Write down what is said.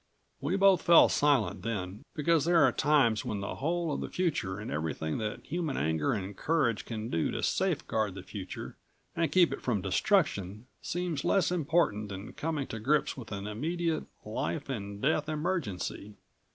We both fell silent then, because there are times when the whole of the future and everything that human anger and courage can do to safeguard the future and keep it from destruction seems less important than coming to grips with an immediate, life and death emergency.